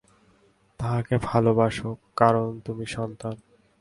তাঁহাকে ভালবাস, কারণ তুমি সন্তান।